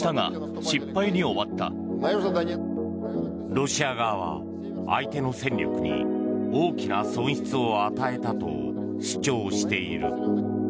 ロシア側は相手の戦力に大きな損失を与えたと主張している。